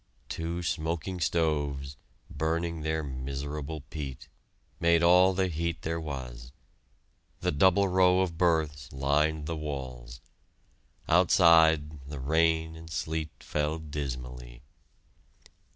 Two smoking stoves, burning their miserable peat, made all the heat there was. The double row of berths lined the walls. Outside, the rain and sleet fell dismally.